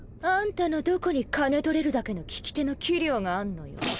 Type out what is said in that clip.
あんたのどこに金取れるだけの聞き手の器量があんのよ。